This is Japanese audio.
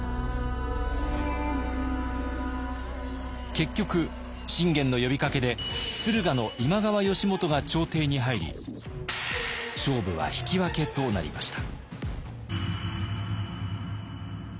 結局信玄の呼びかけで駿河の今川義元が調停に入り勝負は引き分けとなりました。